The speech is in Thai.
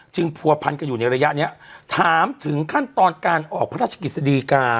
จึงปวพรรณก็อยู่ในระยะเนี้ยถามถึงขั้นตอนการออกพระราชกิจศาสตรีกา